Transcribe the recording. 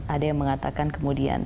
ada yang mengatakan kemudian